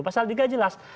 pasal tiga jelas